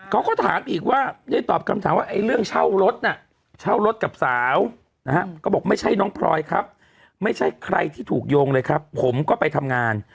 เขาก็ถามอีกว่าได้ตอบคำถามว่าไอ้เรื่องเช่ารถน่ะเช่ารถกับสาวนะฮะก็บอกไม่ใช่น้องพลอยครับไม่ใช่ใครที่ถูกโยงเลยครับผมก็ไปทำงาน